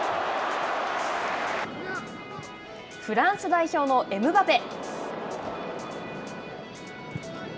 フランス代表のエムバペ。